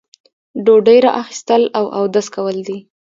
ډوډۍ را اخیستل او اودس کول دي.